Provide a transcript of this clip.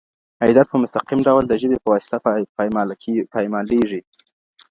عزت په مستقيم ډول د ژبي په واسطه پايماليږي.